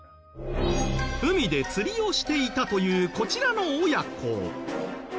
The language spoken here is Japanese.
海で釣りをしていたというこちらの親子。